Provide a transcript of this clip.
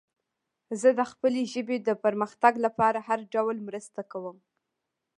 زه د خپلې ژبې د پرمختګ لپاره هر ډول مرسته کوم.